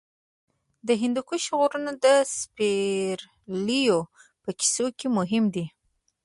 د هندوکش غرونه د سپرليو په کیسو کې مهم دي.